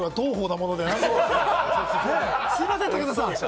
すいません、武田さん。